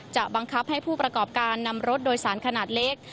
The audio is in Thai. จะบังคับให้ผู้ประกอบการนำรถโดยสารขนาดเล็ก